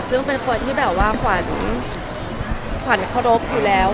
ซึ่งเป็นคนที่แบบว่าขวัญขวัญเคารพอยู่แล้ว